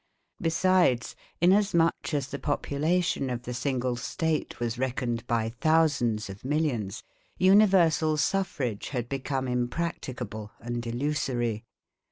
Besides, inasmuch as the population of the Single State was reckoned by thousands of millions, universal suffrage had become impracticable and illusory.